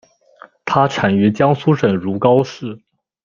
它产于江苏省如皋市。